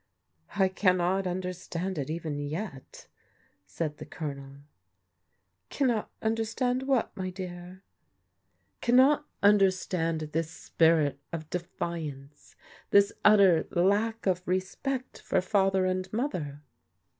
" I cannot understand it even yet," said the Colonel. *' Cannot understand what, my dear? "" Cannot understand this spirit of defiance, this utter lack of respect for father and mother."